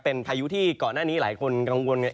เป็นพายุที่ก่อนหน้านี้หลายคนกังวลไง